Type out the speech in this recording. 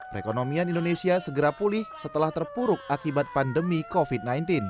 perekonomian indonesia segera pulih setelah terpuruk akibat pandemi covid sembilan belas